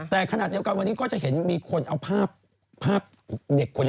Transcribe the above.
แต่ขณะเดียวกันวันนี้ก็จะเห็นมีคนเอาภาพเด็กคนนี้